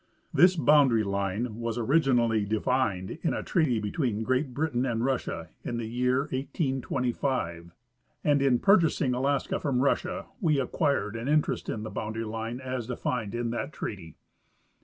This bound ary line was originally defined in a treaty between Great Britain and Russia in the year 1825 ; and in purchasing Alaska from Russia we acquired an interest in the boundary line as defined in that treaty.